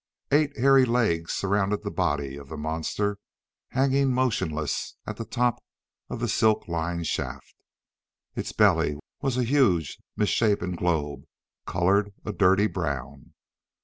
Eight hairy legs surrounded the body of the monster hanging motionless at the top of the silk lined shaft. Its belly was a huge misshapen globe colored a dirty brown.